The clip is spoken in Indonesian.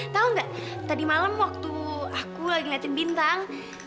tau gak tadi malam waktu aku lagi ngeliatin bintang